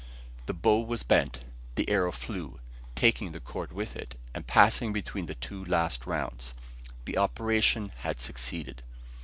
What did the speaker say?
The bow was bent, the arrow flew, taking the cord with it, and passed between the two last rounds. The operation had succeeded.